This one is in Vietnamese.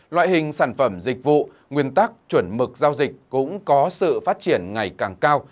loại hình sản phẩm dịch vụ nguyên tắc chuẩn mực giao dịch cũng có sự phát triển ngày càng cao